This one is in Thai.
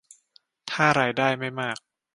ถ้ารายได้ไม่มาก